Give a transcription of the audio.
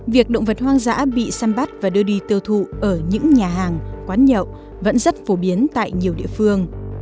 việc động vật hoang dã bị xăm bắt và đưa đi tiêu thụ ở những nhà hàng quán nhậu vẫn rất phổ biến tại nhiều địa phương